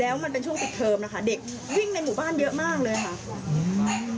แล้วมันเป็นช่วงปิดเทอมนะคะเด็กวิ่งในหมู่บ้านเยอะมากเลยค่ะ